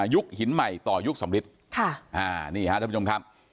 ยุคหินใหม่ต่อยุคสมฤทธิ์นี่ค่ะท่านผู้ชมครับ